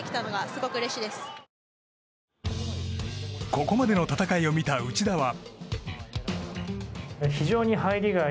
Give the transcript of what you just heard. ここまでの戦いを見た内田は。